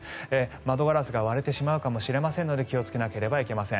窓ガラスが割れてしまうかもしれないので気をつけなければいけません。